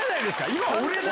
今俺だ！